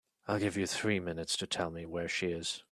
I'll give you three minutes to tell me where she is.